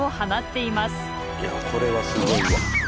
いやこれはすごいわ。